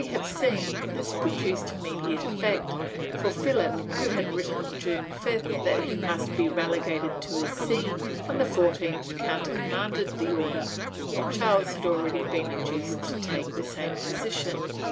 Ill 28 434 PROTESTANTISM [Book VIII seen this produced immediate effect, for Philip, who had written June 5th that he must be relegated to his see, on the 14th counter manded the order. Charles had already been induced to take the same position.